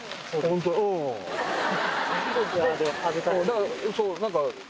だからそう何か。